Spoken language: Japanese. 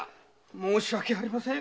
申し訳ありません。